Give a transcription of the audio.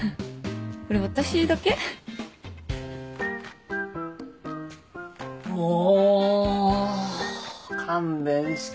これ私だけ？も勘弁してよ。